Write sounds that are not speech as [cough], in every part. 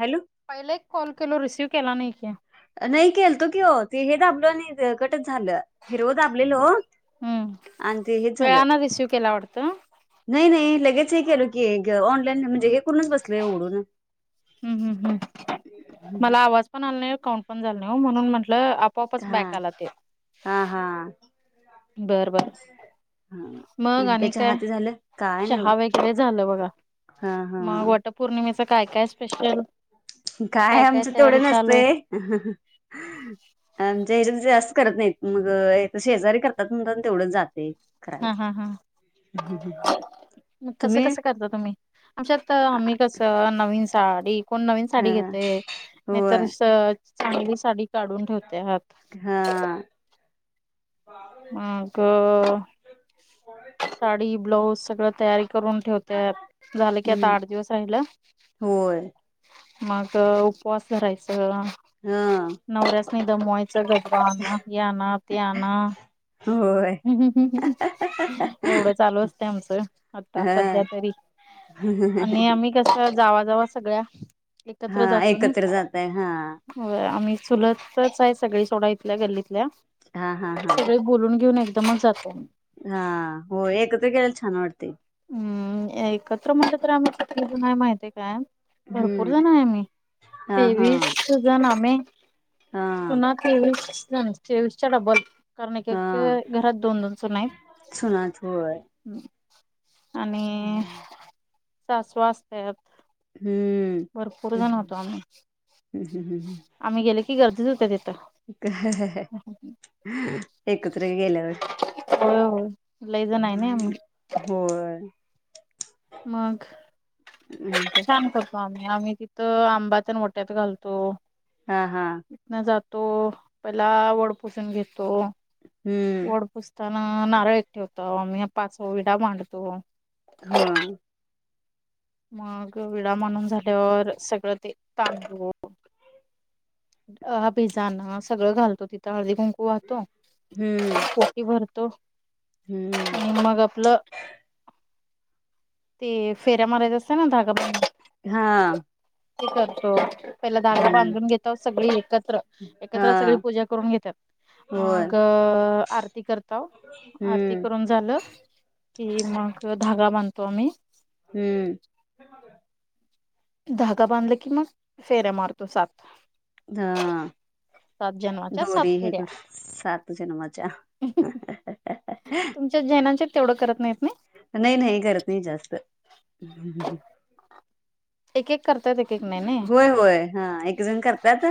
Hello पहिले एक call केलो रिसीव्ह केला नाही. नाही केलतो की हो, ते हे दाबलं नी ते कटच झालं. हिरव दाबलेलो हम्म अन् ते हेच झालं. वेळाने रिसीव्ह केला वाटतं नाही नाही लगेच हे केलो की ऑनलाईन म्हणजे, पूर्णच बसलय उघडुन हम्म हम्म हम्म न मला आवाज पण आलं नाही काउंट पण झालं नाही म्हणून म्हटलं आपोआपच हा बॅक आला ते हा हा बर बर चहा मग आणि त्याच्या काय हाती झालं काय नाही बाबा चहा वगैरे हा हा. पौर्णिमेचं काय काय स्पेशल? काय आमचं तयारी तेवढं चालू आहे नसतय. आमच्या हेच्यात जास्त करत नाहीत मग हे इथं शेजारी करतात म्हणतन तेवढं जातंय. हा करायला हा हा, मग कसं तुम्ही कसं करता तुम्ही? आमच्यात आम्ही कसं नवीन साडी कोण नवीन हा साडी घेतय होय नाहीतर श चांगली साडी काढून ठेवते हात. हा माग साडी ब्लाऊज सगळं तयारी करून ठेवत्यात झालं की आता हम्म आठ दिवस राहिलं. होय मग उपवास धरायचं ह. नवरास्नी दमवायच गजरा आणा, हे आणा ते आणा. होय. एवढ चालू असंतय आमचं आता सध्या तरी. हा हा ह कशा जावा जावा सगळ्या हा एकत्र जातो नाहीं. एकत्र जातय हा होय आम्ही चुलतच आहे सगळी सोडा इथल्या गल्लीतल्या. हा हा हा सगळे बोलून घेऊन एकदमच जातय आणि. हा हो, एकत्र केलेल छान वाटतंय. हम्म एकत्र म्हणल तर आम्ही [unintelligible] नाही माहतीय काय भरपूर हम्म जण आहे आम्ही हा हा तेवीस सुजनामे हा सुना तेवीस जन तेवीस च्या डबल. कारण एक हा एके घरात दोन दोन सुना आहेत सुनाच होय हम्म. आणि हम्म सासू आसत्यात. हम्म. भरपूर जण होतो आम्ही, हम्म आम्ही गेले की गर्दीच होते तिथं. एकत्र गेल्यावर. होय होय लई जण आहे नी आम्ही. हो. [unintelligible] माग नाही ते. काम करतो आम्ही, आम्ही तिथं आंबाचनओट्यात घालतो. हा हा. इथन जातो पहिला वड पुसून घेतो हम्म वड पुस तन नारळ एक ठेवतो आम्ही पाच विडा मांडतो. होआंग. मग विडा मांडून झाल्यावर सगळं ते तांदूळ अ अ बीजान सगळं घालतो तिथं हळदी कुंकू वाहतो हम्म ओटी भरतो हम्म आणि मग आपल ते फेऱ्या मारायच्या असत ना धागा हां. कुठे अत्थो? पहिला धागा हम्म बांधून घेतात सगळी एकत्र हा एकत्र सगळी पूजा करून घेतात. होय आग आरती करतो हो आरती हम्म करून झालं की मग धागा बांधतो आम्ही. हम्म. धागा बांधला की मग फेऱ्या मारतो सात. धा सात जन्माच्या सात दोरी हे फेऱ्या ग सात जनमाच्या ह्या ह्या ह्या ह्या. तुमच्या जैनांचे तेवढं करत नाहीत नाही? नाही नाही घरात नाही जास्त हुं हुं हुं हुं. एक एक करतात एक एक नाही नाही होय होय हा एकजण करतात.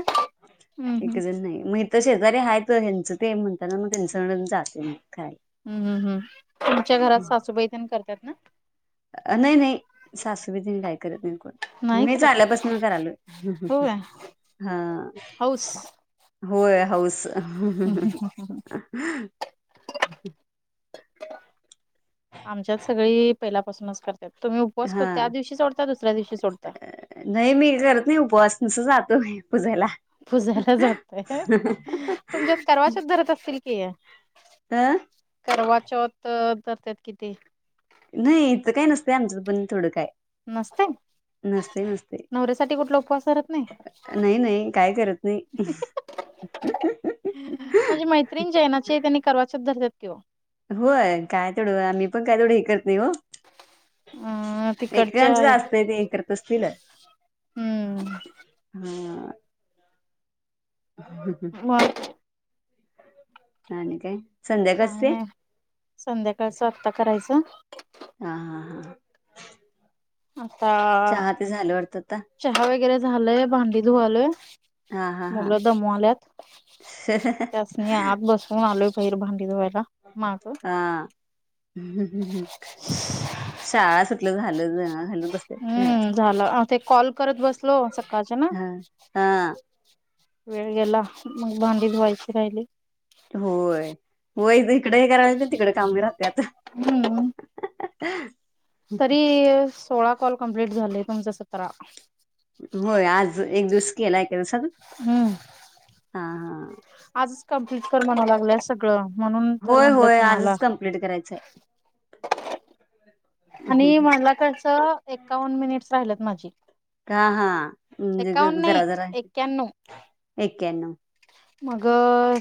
हम्म एक हम्म जण नाही मी तर शेजारी हयात ह्याचं ते म्हणताना मग घर सोडून जाशील काय? हम्म हम् हम् तुमच्या घरात सासूबाई त्यां करतात ना? नाही नाही सासूबाई जिंदा आहे करत नाही कोण. नाही मी करत झाल्यापासन घर आलोय हुं हुं हुं होय हां. हौस. होय हाऊस अहुं हुं हुं हुं. आमच्यात सगळी पहिल्यापासूनच करत्यात तुम्ही उपवास कोण त्या दिवशी सोडता दुसऱ्या दिवशी सोडता? नाही मी करतीये उपवास नुसत जातो पूजाला. पुजायला जातय. तुमच्यात करवा चौथ धरत असतील की? अह. करवा चौथ धरत्यात की ते. नाही इथं काय नसत. आमचं पण थोडं काय. नाचताय? नसतंय नसतंय नवऱ्यासाठी कुठला उपवास धरत नाही का? नाही नाही काय करत नाही. हुं हुं हुं हुं. [inaudible] माझी मैत्रीण जैनाचे त्यांनी करवा चौथ. [unintelligible] होय काय. [unintelligible] अ एक कणच तिकडच्या जास्त असतय ते अँकर. हम्म [unintelligible] हा. [unintelligible] प. [unintelligible] आणि काय? संध्याकाळचं काय ते नाही. संध्याकाळच आत्ता करायचं. हा हा हा. आता चहा ते झाल वाटतं आता. चहा वगैरे झालंय. भांडी धुवायले, हा हा हा. मुलं दमवायल्यात. त्यासनी आत बसवून आलोय, बहिर भांडी धुवायला माग. हा, शाळा सुटलं झालं [unintelligible] बसतेत घरात. हम्म झालं. ते कॉल करत बसलो सकाळच्या ना. हा हा वेळ गेला, मग भांडी धुवायची राहिली. होय होय, तिकडे हे करायच, तिकडे काम बी राहतय आता. हम्म. हा तरी सोळा कॉल कंप्लीट झालंय, तुमचं सतरा. होय, आज एक दिवस केलाय [unintelligible] हम्म हा हा. आजच कंप्लीट कर म्हणा लागल्या सगळं, म्हणून तर होय म्हटलं होय तुम्हाला आजच कंप्लीट करायचंय. आणि [unintelligible] णला कस. एक एकावण मिनिट्स राहिल्यात माझे. हा हा, म्हणजे नाही जरा जरा एक्याण्णव एक्याण्णव. मग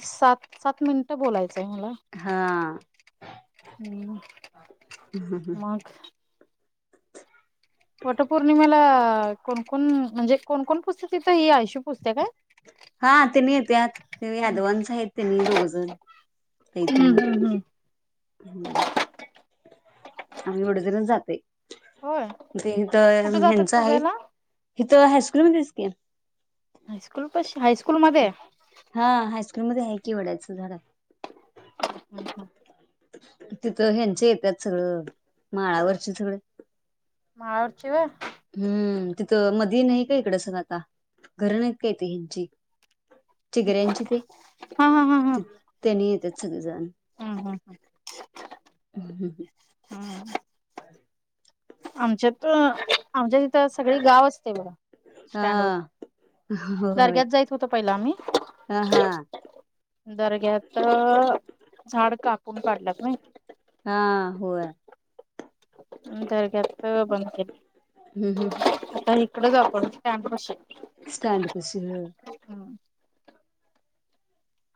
सात, सात मिनिटं बोलायचंय मला. हा हम्म, मग. वटपौर्णिमेला कोणकोण म्हणजे कोणकोण पुजतेत तिथं. ही आयशू पुजते का? हा, त्यांनी येत्यात. ते यादवांच आहेत त्यांनी दोघजण. हम्म हम्म हम्म. हम्म, आम्ही एवढे जणच जातोय. होय कुठे जातात ह्यांच आहे, पुजायला इथं हायस्कूलमध्येच की. हायस्कूलपशी, हायस्कूल मध्ये? हा, हायस्कूलमध्ये आहे की, वडाचं झाडं. [inaudible] तिथं ह्यांचे येत्यात सगळं, माळावरचे सगळे. माळवरची व्हय. हम्म, तिथं मधी नाही का इकड सगळं आता, घर नाही काय ती हेंची चिगऱ्यांची ते, हा हा त्यांनी येत्यात सगळेजण. हा हा हा. ह ह ह हा. आमच्यात आमच्या तिथं सगळी गाव असतय बघा, स्टँडवर. हा होय दरग्यात जात होतो, पहिला आम्ही. हा हा दरग्यात झाडं कापून काढल्यात नई. हा, होय. दरग्यात बंद केलंय. हम्म हम्म. आता इकडे जातो, स्टँडपशी. स्टँडपशी, होय.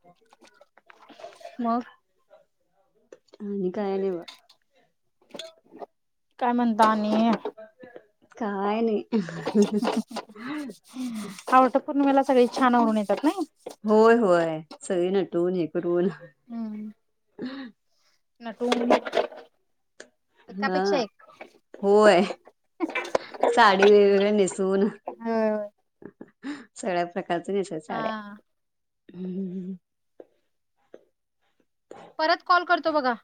हो मग आणि काय नाही बघा काय म्हणता आणि काय नाही आवटं पौर्णिमेला सगळे छान आवरून येतात ना होय होय सगळे नाटून हे करून हम्म नटून येतात हा होय. साडी वैगरे नेसून सगळ्या प्रकारच दिसत्यात हा साड्या हम्म परत कॉल करतो बघा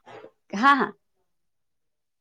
हा हा